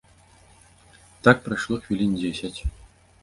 Так прайшло хвілін дзесяць.